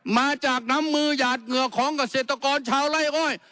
มาจากน้ำมือหยาดเหงื่อของเกษตรกรชาวไล่อ้อย